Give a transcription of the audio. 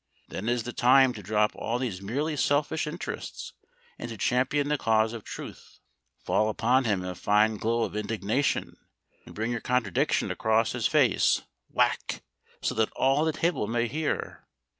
Then is the time to drop all these merely selfish interests, and to champion the cause of truth. Fall upon him in a fine glow of indignation, and bring your contradiction across his face whack! so that all the table may hear.